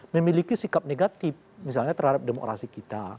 memiliki sikap negatif misalnya terhadap demokrasi kita